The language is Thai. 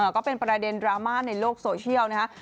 ก็เป็นประเด็นดราม่าในโลกโซเชียลนะครับ